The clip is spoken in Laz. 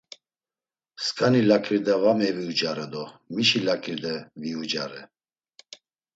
“Sǩani laǩirde va meviucare do mişi laǩirde viucare?”